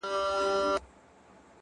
نیکي خاموشه خو تلپاتې اغېز لري،